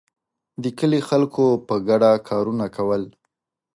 د کلي خلکو په ګډه کارونه کول.